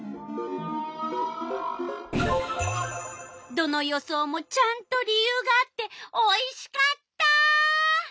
どの予想もちゃんと理由があっておいしかった！